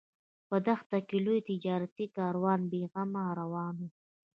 په دښته کې لوی تجارتي کاروان بې غمه روان و.